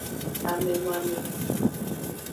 Amenoamengu.